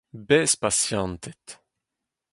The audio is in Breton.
Bez pasianted.